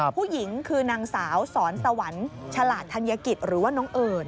ผู้หญิงคือนางสาวสอนสวรรค์ฉลาดธัญกิจหรือว่าน้องเอิญ